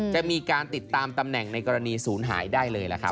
จะมีการติดตามตำแหน่งในกรณีศูนย์หายได้เลยล่ะครับ